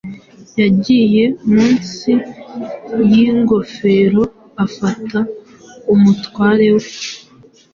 Yagiye munsi yingofero afasha umutware we